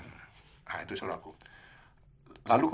nah itu salah aku